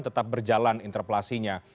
tetap berjalan interpelasinya